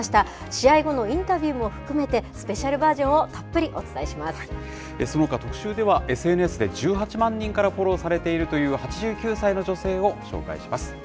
試合後のインタビューも含めて、スペシャルバージョンをたっぷりそのほか、特集ではＳＮＳで１８万人からフォローされているという８９歳の女性を紹介します。